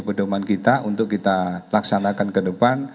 pedoman kita untuk kita laksanakan ke depan